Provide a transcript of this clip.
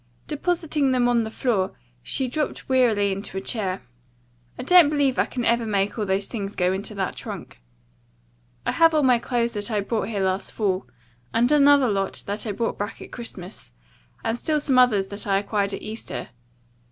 Depositing them on the floor, she dropped wearily into a chair. "I don't believe I can ever make all those things go into that trunk. I have all my clothes that I brought here last fall, and another lot that I brought back at Christmas, and still some others that I acquired at Easter.